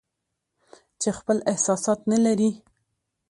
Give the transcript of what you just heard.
چې خپل احساسات نه لري